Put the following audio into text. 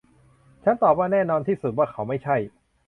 ฉันตอบว่า แน่นอนที่สุดว่าเขาไม่ใช่